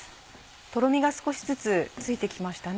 とろみが少しずつついてきましたね。